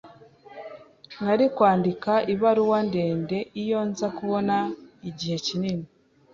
Nari kwandika ibaruwa ndende iyo nza kubona igihe kinini.